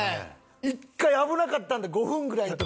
１回危なかったんだ５分ぐらいの時。